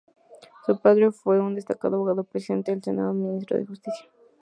Su padre fue un destacado abogado, Presidente del Senado y Ministro de Justicia.